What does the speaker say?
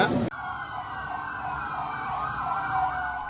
jampit sus di buntuti densus